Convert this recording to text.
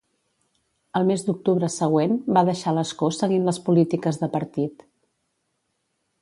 El mes d'octubre següent va deixar l'escó seguint les polítiques de partit.